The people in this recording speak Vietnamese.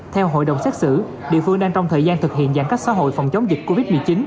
theo hội đồng xét xử địa phương đang trong thời gian thực hiện giãn cách xã hội phòng chống dịch covid một mươi chín